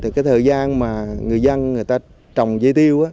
thì cái thời gian mà người dân người ta trồng dây tiêu